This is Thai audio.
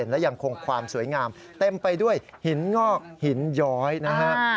และยังคงความสวยงามเต็มไปด้วยหินงอกหินย้อยนะฮะ